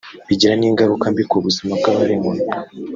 bigira n’ingaruka mbi ku buzima bw’ababinywa